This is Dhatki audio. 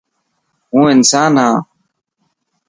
هون انسان هان.